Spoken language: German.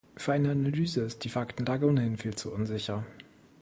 Für eine Analyse ist die Faktenlage ohnehin viel zu unsicher.